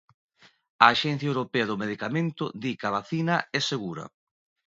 A Axencia Europea do Medicamento di que a vacina é segura.